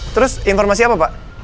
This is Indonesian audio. terus informasi apa pak